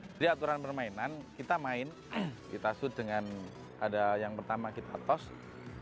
jadi aturan permainan kita main kita suit dengan ada yang pertama kita toss